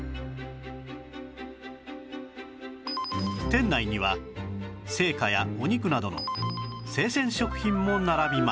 店内には青果やお肉などの生鮮食品も並びます